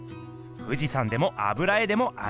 富士山でも油絵でもありません。